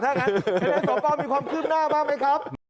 ถ้าอย่างนั้นคะแนนส่อกรมีความขึ้นหน้าบ้างไหมครับ